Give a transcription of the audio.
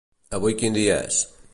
Avui quin dia és?